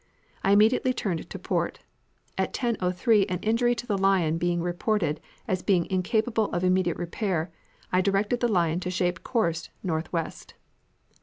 I immediately turned to port. At 10.03 an injury to the Lion being reported as being incapable of immediate repair, I directed the Lion to shape course northwest.